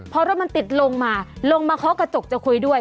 พอรถมันติดลงมาลงมาเคาะกระจกจะคุยด้วย